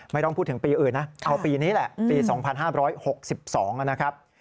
ไม่ต้องพูดถึงปีอื่นนะเอาปีนี้แหละปี๒๕๖๒นะครับ